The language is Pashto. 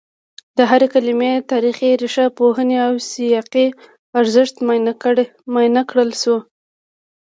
د هرې کلمې تاریخي، ریښه پوهني او سیاقي ارزښت معاینه کړل شي